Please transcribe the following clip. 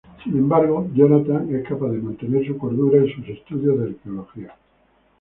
Sin embargo, Jonathan es capaz de mantener su cordura y sus estudios de arqueología.